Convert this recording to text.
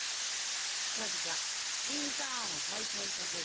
近々インターンを再開させる。